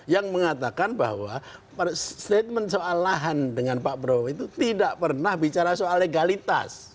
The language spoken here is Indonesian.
yang mengatakan bahwa statement soal lahan dengan pak prabowo itu tidak pernah bicara soal legalitas